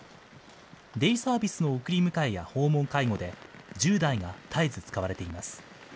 デイサービスの送り迎えや訪問介護で、１０台が絶えず使われています。